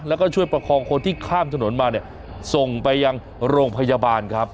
แล้วก็ช่วยประคองคนที่ข้ามถนนมาเนี่ยส่งไปยังโรงพยาบาลครับ